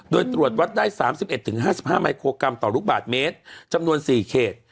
โดยตรวจวัดได้สามสิบเอ็ดถึงห้าสิบห้าไมโครกรัมต่อลูกบาทเมตรจำนวนสี่เขต